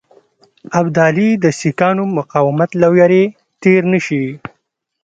ابدالي د سیکهانو مقاومت له وېرې تېر نه شي.